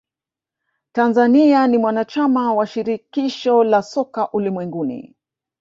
tanzania ni mwanachama wa shirikisho la soka ulimwenguni